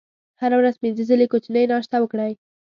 هره ورځ پنځه ځلې کوچنۍ ناشته وکړئ.